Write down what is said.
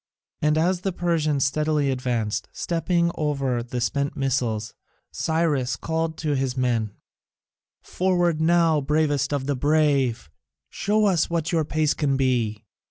And as the Persians steadily advanced, stepping over the spent missiles, Cyrus called to his men: "Forward now, bravest of the brave! Show us what your pace can be!"